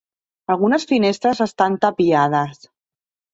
Algunes finestres estan tapiades.